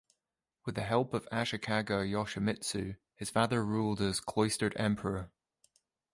With the help of Ashikaga Yoshimitsu, his father ruled as Cloistered Emperor.